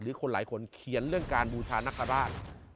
หรือคนหลายคนเขียนเรื่องการบูชานักษรราช